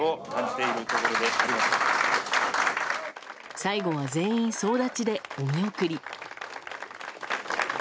最後は全員総立ちでお見送り。